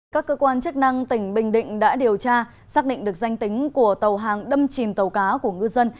các cơ quan chức năng tỉnh bình định đã điều tra xác định được danh tính của tàu hàng đâm chìm tàu cá của ngư dân